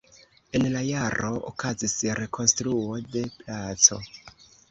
En la jaro okazis rekonstruo de placo.